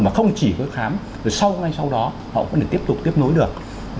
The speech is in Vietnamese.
mà không chỉ với khám rồi sau ngay sau đó họ cũng được tiếp tục tiếp nối được